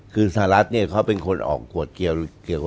คือสหรัฐเนี่ยเขาเป็นคนออกกฎเกี่ยวกับ